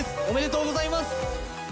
おめでとうございます。